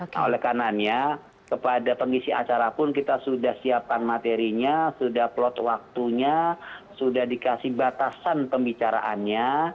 nah oleh kanannya kepada pengisi acara pun kita sudah siapkan materinya sudah plot waktunya sudah dikasih batasan pembicaraannya